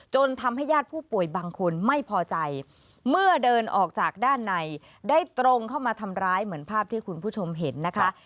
ทำให้ญาติผู้ป่วยบางคนไม่พอใจเมื่อเดินออกจากด้านในได้ตรงเข้ามาทำร้ายเหมือนภาพที่คุณผู้ชมเห็นนะคะ